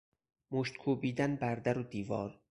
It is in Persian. مشت کوبیدن بر در و دیوار